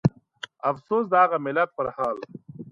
افسوس د هغه ملت پرحال